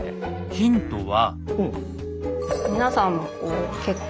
ヒントは。